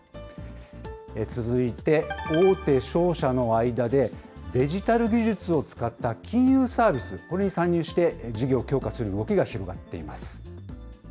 続いて、大手商社の間でデジタル技術を使った金融サービス、これに参入して、事業強化する動きが広がっています。